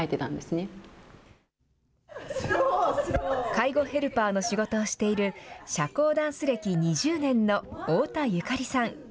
介護ヘルパーの仕事をしている社交ダンス歴２０年の太田由加利さん。